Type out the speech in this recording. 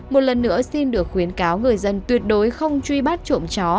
một lần nữa xin được khuyến cáo người dân tuyệt đối không truy bắt trộm chó